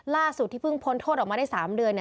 ล่าสุดที่เพิ่งพ้นโทษออกมาได้๓เดือน